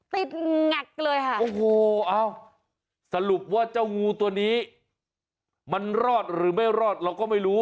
หงักเลยค่ะโอ้โหเอ้าสรุปว่าเจ้างูตัวนี้มันรอดหรือไม่รอดเราก็ไม่รู้